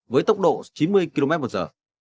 với tốc độ chín mươi kmh